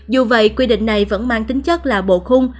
dù vậy quy định này vẫn mang tính chất là bộ khung